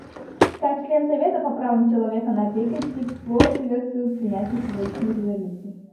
Как член Совета по правам человека Норвегия тепло приветствует принятие сегодняшней резолюции.